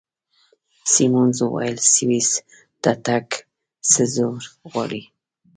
سیمونز وویل: سویس ته تګ څه زور غواړي؟